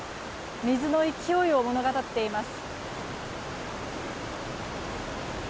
水の勢いを物語っています。